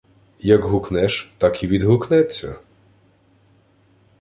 Як гукнеш, так і відгукнеться.